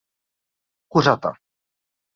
Kuřata.